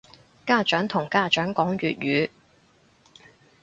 家長同家長講粵語